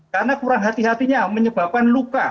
karena kurang hati hatinya menyebabkan luka